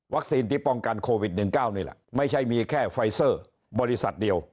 ที่ป้องกันโควิด๑๙นี่แหละไม่ใช่มีแค่ไฟเซอร์บริษัทเดียว